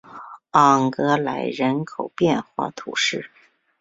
昂格莱人口变化图示